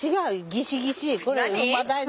ギシギシ！